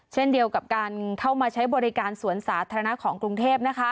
เช่นเดียวกับการเข้ามาใช้บริการสวนสาธารณะของกรุงเทพ